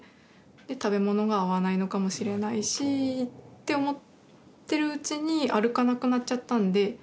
で食べ物が合わないのかもしれないしって思ってるうちに歩かなくなっちゃったので。